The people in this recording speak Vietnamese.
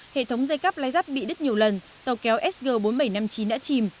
hệ thống dây cắp lai dắt bị đứt nhiều lần tàu kéo sg bốn nghìn bảy trăm năm mươi chín đã chìm